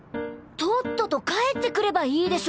とっとと帰って来ればいいでしょ。